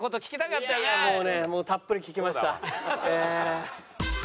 いやいやもうねたっぷり聞きました。